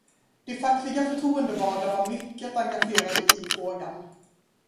De fackliga förtroendevalda var mycket engagerade i frågan.